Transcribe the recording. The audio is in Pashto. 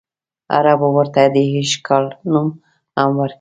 عربو ورته د ایش کال نوم هم ورکړی.